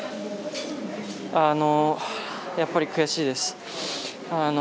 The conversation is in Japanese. やっぱり悔しいです。